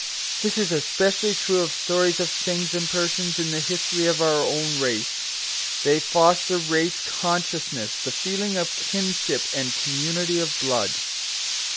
This is especially true of stories of things and persons in the history of our own race. They foster race consciousness, the feeling of kinship and community of blood.